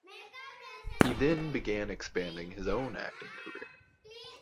He then began expanding his own acting career.